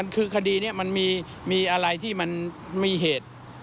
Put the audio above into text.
คดีนี้มันมีอะไรที่มีเหตุ